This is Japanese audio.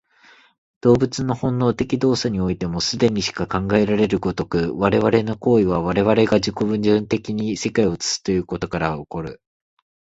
動物の本能的動作においても、既にしか考えられる如く、我々の行為は我々が自己矛盾的に世界を映すということから起こる。